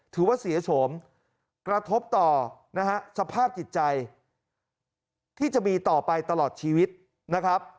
ถือว่าเสียโฉมกระทบต่อนะฮะสภาพจิตใจที่จะมีต่อไปตลอดชีวิตนะครับ